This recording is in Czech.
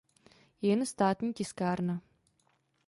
Jen státní tiskárna.